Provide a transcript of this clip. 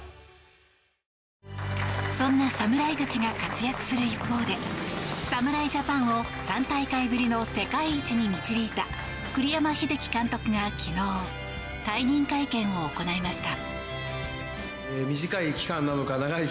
そんな侍たちが活躍する一方で侍ジャパンを３大会ぶりの世界一に導いた栗山英樹監督が昨日、退任会見を行いました。